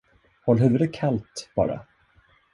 Håll huvudet kallt, bara.